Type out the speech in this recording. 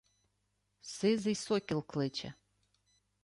Сизий сокіл кличе